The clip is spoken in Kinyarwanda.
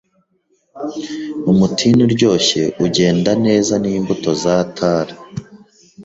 Umutini uryoshye ugenda neza n'imbuto za tart